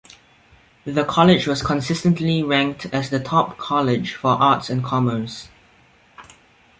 The College was consistently ranked as the top college for Arts and Commerce.